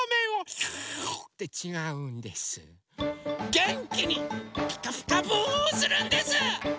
げんきに「ピカピカブ！」をするんです！